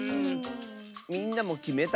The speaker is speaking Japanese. みんなもきめた？